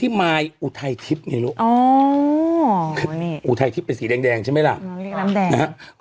ที่หลายคนพูดไปที่ลูกอ๋ออูไททิฟเป็นสีแดงแดงใช่ไหมล่ะอ๋อน้ำแดง